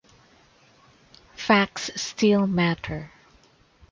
Facts still matter.